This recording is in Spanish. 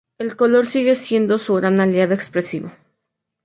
El color sigue siendo su gran aliado expresivo.